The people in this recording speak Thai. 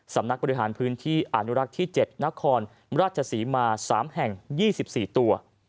สำนักบริหารพื้นที่อนุรักษ์ที่๗นครราชศรีมา๓แห่ง๒๔ตัว